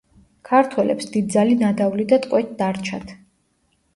ქართველებს დიდძალი ნადავლი და ტყვე დარჩათ.